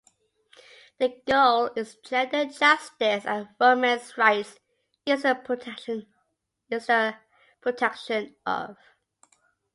مقصد صنفی انصاف اور خواتین کے حقوق کی پاسداری ہے